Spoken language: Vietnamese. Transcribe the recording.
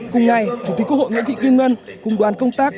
cùng ngày chủ tịch quốc hội nguyễn thị kim ngân cùng đoàn công tác